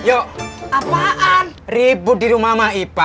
apaan ribut di rumah maipa